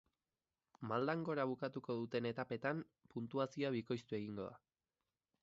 Maldan gora bukatuko duten etapetan puntuazioa bikoiztu egingo da.